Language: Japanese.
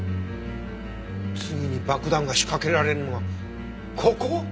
次に爆弾が仕掛けられるのがここ！？